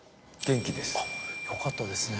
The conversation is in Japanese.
あっよかったですね。